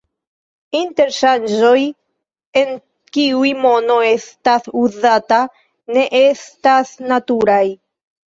Interŝanĝoj, en kiuj mono estas uzata, ne estas naturaj.